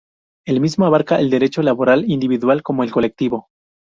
El mismo abarca el derecho laboral individual como el colectivo.